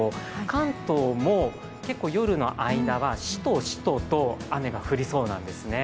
関東も結構、夜の間はしとしとと雨が降りそうなんですね。